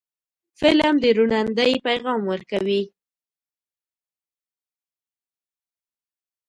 فلم د روڼ اندۍ پیغام ورکوي